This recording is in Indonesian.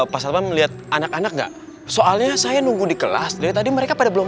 pasal melihat anak anak enggak soalnya saya nunggu di kelas dari tadi mereka pada belum